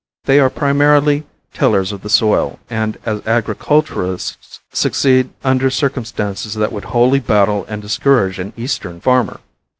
They are primarily tillers of the soil, and as agriculturists succeed under circumstances that would wholly baffle and discourage an eastern farmer.